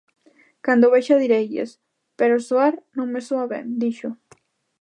"Cando o vexa direilles, pero soar, non me soa ben", dixo.